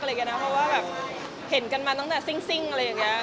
เพราะว่าแบบเห็นกันมาตั้งแต่ซิ่งอะไรอย่างนี้